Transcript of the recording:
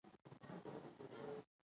د مڼو د ونو ناروغي کنټرول شوه؟